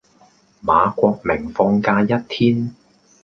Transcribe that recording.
馬國明放假一天